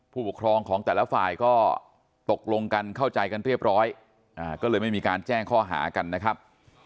ผู้ปกครองของแต่ละฝ่ายก็ตกลงกันเข้าใจกันเรียบร้อยก็เลยไม่มีการแจ้งข้อหากันนะครับ